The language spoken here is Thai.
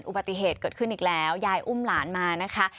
อุบัติเหตุเกิดขึ้นอีกแล้วยายอุ้มหลานมานะคะ